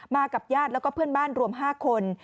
กับญาติแล้วก็เพื่อนบ้านรวม๕คน